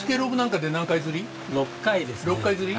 ６回刷り。